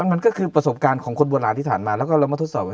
มันก็คือประสบการณ์ของคนบัวลาที่สรรมาแล้วก็เรามาทดสอบ